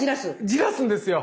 じらすんですよ。